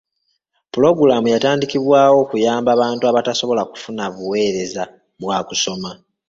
Puloogulaamu yatandikibwawo kuyamba bantu abatasobola kufuna buweereza bwa kusoma.